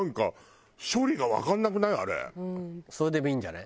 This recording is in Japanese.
それでもいいんじゃない？